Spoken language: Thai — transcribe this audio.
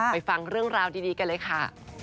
ฟังเรื่องราวดีกันเลยค่ะ